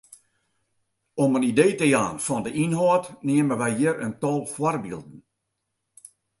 Om in idee te jaan fan de ynhâld neame wy hjir in tal foarbylden.